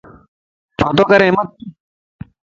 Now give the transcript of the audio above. ڇو تو ڪري احمد؟